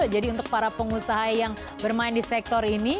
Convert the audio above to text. jadi untuk para pengusaha yang bermain di sektor ini